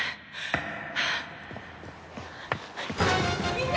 みんな！